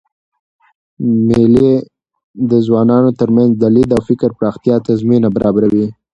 مېلې د ځوانانو ترمنځ د لید او فکر پراختیا ته زمینه برابروي.